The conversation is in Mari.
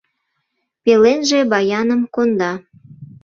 Пеленже баяным конда.